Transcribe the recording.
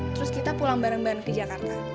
terus kita pulang bareng bareng ke jakarta